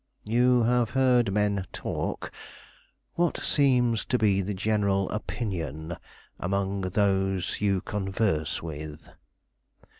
"You have heard men talk; what seems to be the general opinion among those you converse with?"